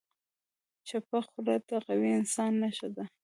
چپه خوله، د قوي انسان نښه ده.